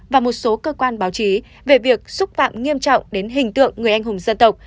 và một số cơ quan báo chí về việc xúc phạm nghiêm trọng đến hình tượng người anh hùng dân tộc